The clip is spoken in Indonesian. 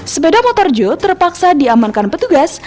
sepeda motor jo terpaksa diamankan petugas